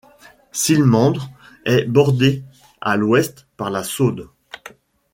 Silmandre est bordée, à l'ouest, par la Saône.